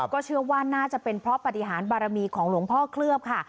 ก็เชื่อว่าน่าจะเป็นเพราะปฏิหารบารมีของหลวงพ่อเคลือบค่ะ